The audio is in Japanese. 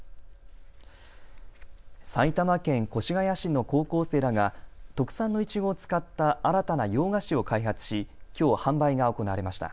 埼玉県越谷市の高校生らが特産のいちごを使った新たな洋菓子を開発しきょう販売が行われました。